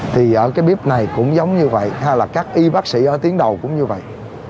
thì ở cái bếp này cũng giống như vậy hay là các y bác sĩ ở tuyến đầu cũng như vậy